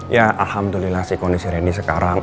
ya alhamdulillah si kondisi randy sekarang